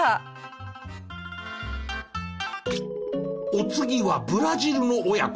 お次はブラジルの親子。